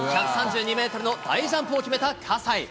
１３２メートルの大ジャンプを決めた葛西。